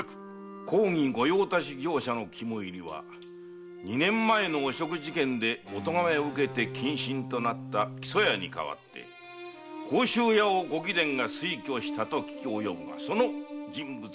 公儀御用達業者の肝煎は二年前の汚職事件でお咎めを受けて謹慎となった木曽屋に代わって甲州屋をご貴殿が推挙したと聞き及ぶがその人物はどうじゃ？